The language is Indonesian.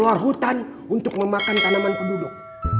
keluar hutan untuk memakan tanaman penduduk